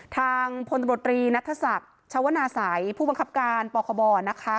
ทางพลตรบรินัทธศัพท์ชาวนาศัยผู้บังคับการปกบนะคะ